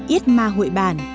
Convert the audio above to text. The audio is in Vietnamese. ít ma hội bản